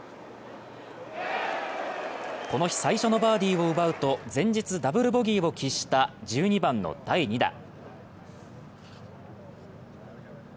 この日最初のバーディーを奪うと前日ダブルボギーを喫した１２番の第２打。